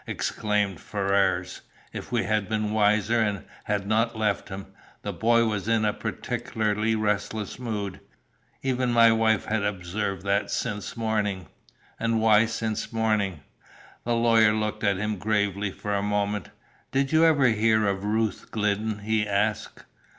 exclaimed Ferrars. "If we had been wiser, and had not left him! The boy was in a peculiarly restless mood. Even my wife had observed that since morning." "And why since morning?" The lawyer looked at him gravely for a moment. "Did you ever hear of Ruth Glidden?" he asked.